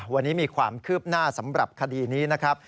วันนี้มีความคืบหน้าสำหรับคดีนี้นะครับ